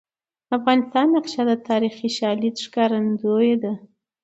د افغانستان نقشه د تاریخي شالید ښکارندوی ده.